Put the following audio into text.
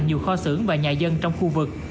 nhiều kho xưởng và nhà dân trong khu vực